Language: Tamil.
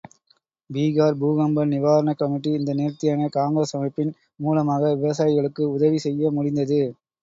பீகார் பூகம்ப நிவாரணக் கமிட்டி, இந்த நேர்த்தியான காங்கிரஸ் அமைப்பின் மூலமாக விவசாயிகளுக்கு உதவி செய்ய முடிந்தது.